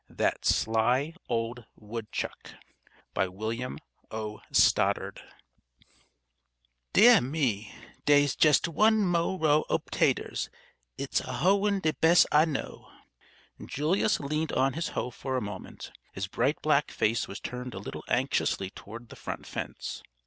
THAT SLY OLD WOODCHUCK By William O. Stoddard "Deah me! Dey's jes' one moah row ob taters. I's hoein' de bes' I know." Julius leaned on his hoe for a moment. His bright black face was turned a little anxiously toward the front fence.